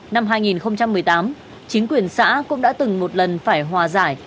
năm hai nghìn một mươi tám chính quyền xã cũng đã từng một lần phải hòa giải